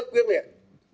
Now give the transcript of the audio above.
rất quyết miệng